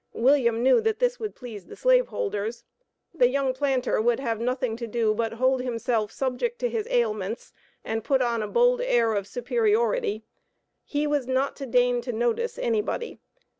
William knew that this would please the slave holders. The young planter would have nothing to do but hold himself subject to his ailments and put on a bold air of superiority; he was not to deign to notice anybody.